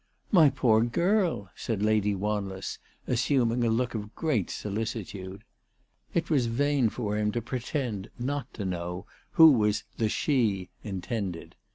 " My poor girl," said Lady Wanless, assuming a look of great solicitude. It was vain for him to pretend not to know who was the " she" intended.